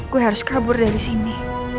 gue harus kabur dari sini